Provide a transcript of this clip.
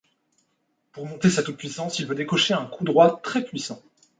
Pour monter sa toute-puissance, il veut décocher un coup droit très puissant.